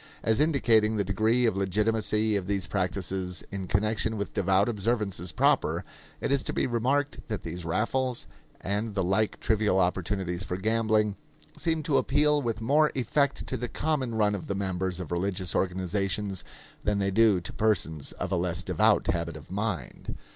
As indicating the degree of legitimacy of these practices in connection with devout observances proper, it is to be remarked that these raffles, and the like trivial opportunities for gambling, seem to appeal with more effect to the common run of the members of religious organizations than they do to persons of a less devout habit of mind.